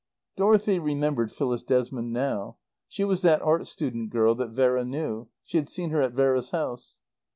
Dorothy remembered Phyllis Desmond now; she was that art student girl that Vera knew. She had seen her at Vera's house.